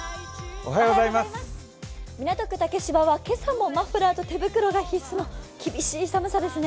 港区竹芝は今朝もマフラーと手袋が必須の厳しい寒さですね。